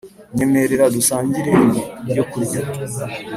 Nyemerera dusangire ibi byokurya